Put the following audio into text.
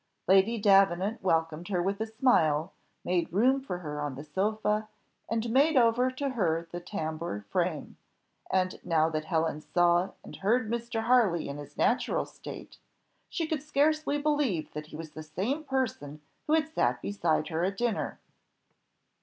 Lady Davenant welcomed her with a smile, made room for her on the sofa, and made over to her the tambour frame; and now that Helen saw and heard Mr. Harley in his natural state, she could scarcely believe that he was the same person who had sat beside her at dinner.